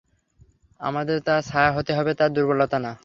আমাদের তার ছায়া হতে হবে, তার দূর্বলতা না।